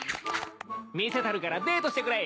見せたるからデートしてくれ！